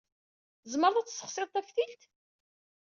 Tzemreḍ ad tessexsiḍ taftilt?